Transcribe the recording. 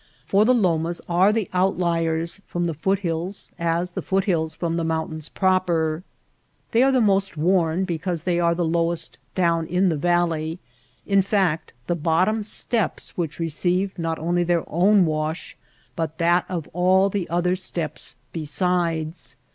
For the lomas are the outliers from the foot hills as the foot hills from the mountains proper. They are the most worn because they are the lowest down in the valley — in fact the bottom steps which receive not only their own wash but that of all the other steps besides.